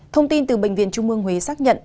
thông tin từ bệnh viện trung mương huế xác nhận